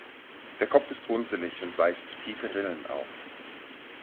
Der Kopf ist runzelig und weist tiefe Rillen auf.